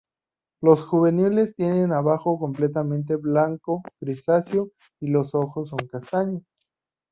Los juveniles tienen abajo completamente blanco-grisáceo y los ojos son castaños.